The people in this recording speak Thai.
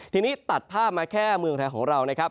ทีนี้ตัดภาพมาแค่เมืองไทยของเรานะครับ